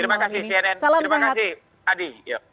terima kasih cnn terima kasih adi